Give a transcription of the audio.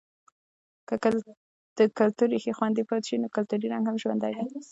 که که د کلتور ریښې خوندي پاتې شي، نو کلتوری رنګ هم ژوندی دی.